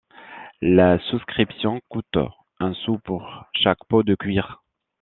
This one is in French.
La souscription coûte un sou pour chaque peau de cuir.